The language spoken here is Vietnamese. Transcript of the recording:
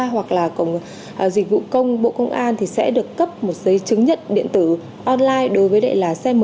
hoặc là cổng dịch vụ công bộ công an thì sẽ được cấp một giấy chứng nhận điện tử online đối với đệ là xe một